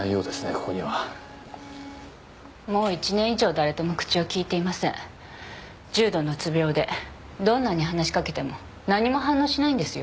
ここにはもう１年以上誰とも口を利いていません重度の鬱病でどんなに話しかけても何も反応しないんですよ